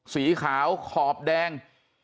สีขาวขอบแดง